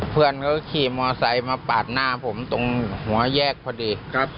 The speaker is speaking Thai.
เพื่อนเขาขี่มอไซค์มาปาดหน้าผมตรงหัวแยกพอดีครับ